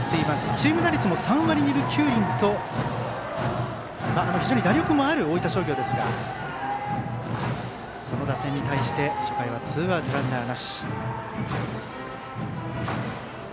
チーム打率も３割２分９厘と非常に打力もある大分商業ですがその打線に対して初回はツーアウト、ランナーなし。